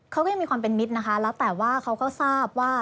เขาก็ยังมีความเป็นมิตรนะคะแล้วแต่ว่าเขาก็ทราบว่า